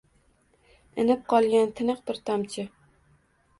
Inib qolgan tiniq bir tomchi”.